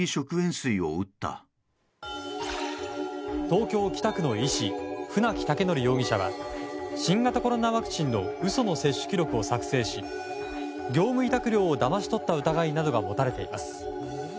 東京・北区の医師船木威徳容疑者は新型コロナワクチンの嘘の接種記録を作成し業務委託料をだまし取った疑いなどが持たれています。